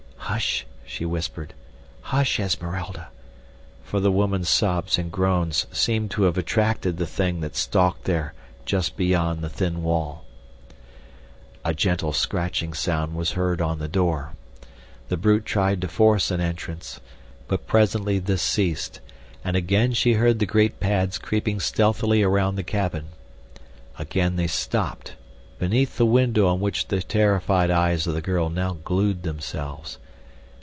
"Hush!" she whispered. "Hush, Esmeralda," for the woman's sobs and groans seemed to have attracted the thing that stalked there just beyond the thin wall. A gentle scratching sound was heard on the door. The brute tried to force an entrance; but presently this ceased, and again she heard the great pads creeping stealthily around the cabin. Again they stopped—beneath the window on which the terrified eyes of the girl now glued themselves.